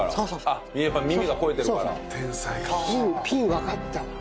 わかったわ。